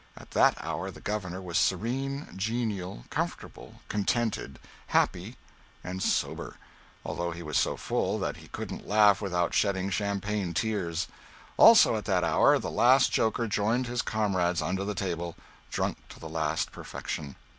At that hour the Governor was serene, genial, comfortable, contented, happy and sober, although he was so full that he couldn't laugh without shedding champagne tears. Also, at that hour the last joker joined his comrades under the table, drunk to the last perfection.